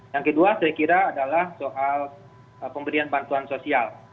yang kedua saya kira adalah soal pemberian bantuan sosial